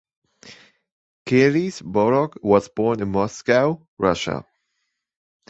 Keilis-Borok was born in Moscow, Russia.